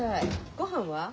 ごはんは？